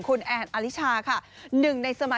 คุณแอนอลิชาค่ะ